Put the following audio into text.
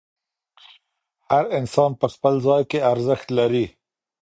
هر انسان په خپل ځای کې ارزښت لري.